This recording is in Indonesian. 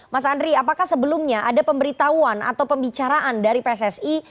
mas andri apakah sebelumnya ada pemberitahuan atau pembicaraan dari pssi